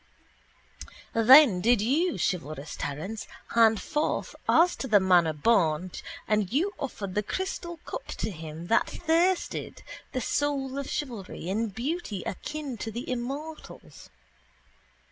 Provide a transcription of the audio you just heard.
Then did you, chivalrous Terence, hand forth, as to the manner born, that nectarous beverage and you offered the crystal cup to him that thirsted, the soul of chivalry, in beauty akin to the immortals.